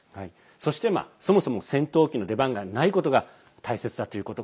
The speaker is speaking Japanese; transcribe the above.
そして、そもそも戦闘機の出番がないということが大切だということ。